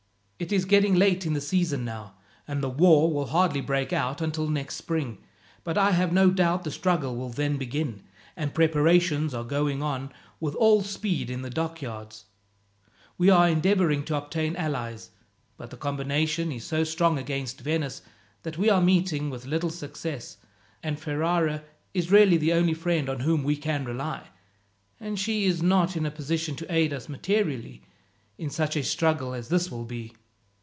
"It is getting late in the season now, and the war will hardly break out until next spring; but I have no doubt the struggle will then begin, and preparations are going on with all speed in the dockyards. We are endeavouring to obtain allies, but the combination is so strong against Venice that we are meeting with little success, and Ferrara is really the only friend on whom we can rely, and she is not in a position to aid us materially, in such a struggle as this will be.